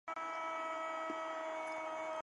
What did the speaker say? Una de estas puertas es de factura reciente.